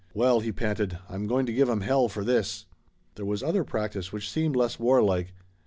"Well," he panted, "I'm going to give 'em hell for this." There was other practice which seemed less warlike.